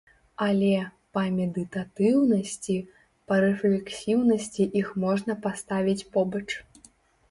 Але па медытатыўнасці, па рэфлексіўнасці іх можна паставіць побач.